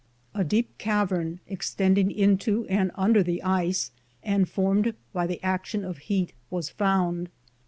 A deep cavern, extending into and under the ice, and formed by the action of heat, was found.